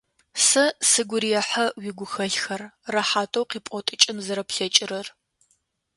Сэ сыгу рехьы уигухэлъхэр рэхьатэу къипӏотыкӏын зэрэплъэкӏырэр.